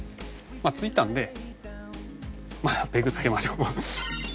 まあ付いたのでまたペグ付けましょう。